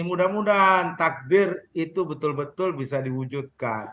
mudah mudahan takdir itu betul betul bisa diwujudkan